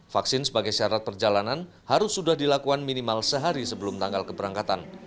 vaksin sebagai syarat perjalanan harus sudah dilakukan minimal sehari sebelum tanggal keberangkatan